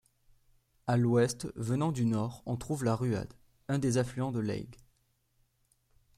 À l'ouest, venant du nord, on trouve la Ruade, un des affluents de l'Aygues.